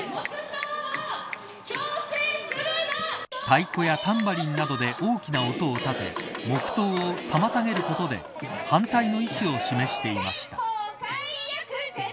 太鼓やタンバリンなどで大きな音を立て黙とうを妨げることで反対の意思を示していました。